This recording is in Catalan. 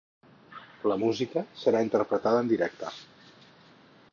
La música serà interpretada en directe.